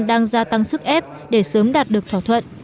đang gia tăng sức ép để sớm đạt được thỏa thuận